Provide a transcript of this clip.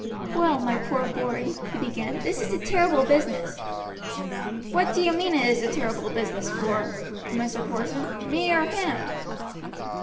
"Well, my poor boy," he began, "this is a terrible business." "Who do you mean it is a terrible business for, Mr. Porson, me or him?"